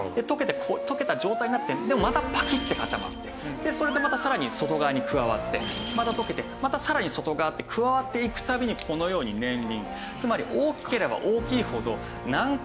溶けた状態になってでもまたパキッて固まってそれでまたさらに外側に加わってまた溶けてまたさらに外側って加わっていくたびにこのように年輪。